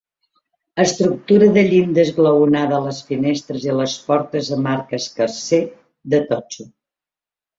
Estructura de llinda esglaonada a les finestres i les portes amb arc escarser, de totxo.